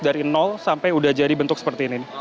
dari nol sampai udah jadi bentuk seperti ini